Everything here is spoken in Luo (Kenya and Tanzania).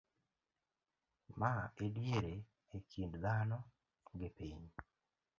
ma ediere e kind dhano gi piny